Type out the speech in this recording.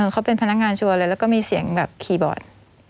เขาเป็นพนักงานชัวร์เลยแล้วก็มีเสียงแบบคีย์บอร์ด